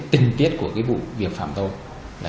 tình tiết của vụ việc phạm tội